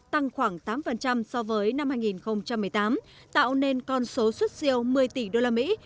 tăng khoảng tám so với năm hai nghìn một mươi tám tạo nên con số xuất siêu một mươi tỷ đô la mỹ